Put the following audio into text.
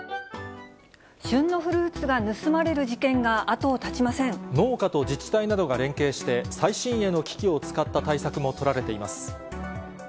旬のフルーツが盗まれる事件農家と自治体などが連携して、最新鋭の機器を使った対策も取られています。